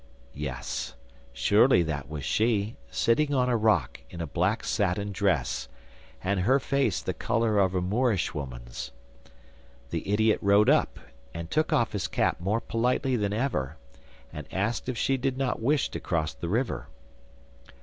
Yes, surely that was she, sitting on a rock, in a black satin dress, and her face the colour of a Moorish woman's. The idiot rode up, and took off his cap more politely than ever, and asked if she did not wish to cross the river.